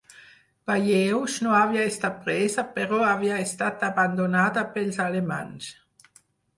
Bayeux no havia estat presa però havia estat abandonada pels alemanys.